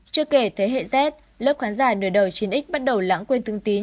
chưa kể thế hệ z lớp khán giả nửa đầu chiến x bắt đầu lãng quên thương tín